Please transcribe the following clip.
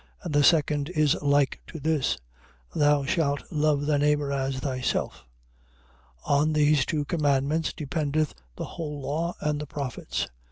And the second is like to this: Thou shalt love thy neighbour as thyself. 22:40. On these two commandments dependeth the whole law and the prophets.